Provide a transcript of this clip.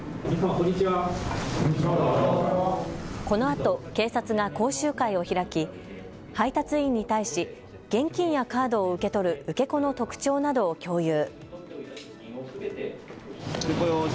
このあと警察が講習会を開き配達員に対し現金やカードを受け取る受け子の特徴などを共有。